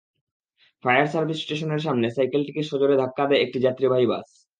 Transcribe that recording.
Fire service স্টেশনের সামনে সাইকেলটিকে সজোরে ধাক্কা দেয় একটি যাত্রীবাহী বাস।